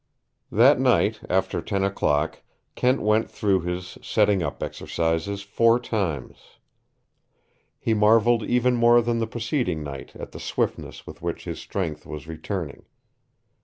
That night, after ten o'clock, Kent went through his setting up exercises four times. He marveled even more than the preceding night at the swiftness with which his strength was returning.